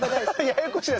ややこしいな。